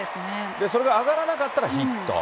それが上がらなかったらヒット。